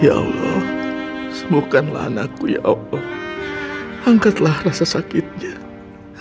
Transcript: ya allah jangan ambil anakku ya allah